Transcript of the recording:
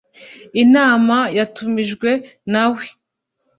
inama yatumijwe nawe.